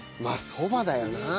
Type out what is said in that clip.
まあそばだよな。